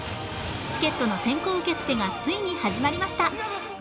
チケットの先行受け付けがついに始まりました。